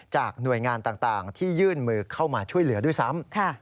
หน่วยงานต่างที่ยื่นมือเข้ามาช่วยเหลือด้วยซ้ำ